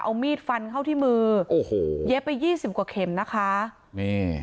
เอามีดฟันเข้าที่มือโอ้โหเย็บไปยี่สิบกว่าเข็มนะคะนี่